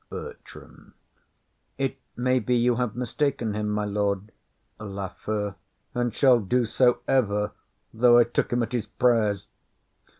BERTRAM. It may be you have mistaken him, my lord. LAFEW. And shall do so ever, though I took him at his prayers.